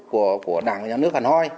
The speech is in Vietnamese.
cái quyết định của đảng nhà nước hà nội